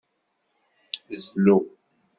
Zlu.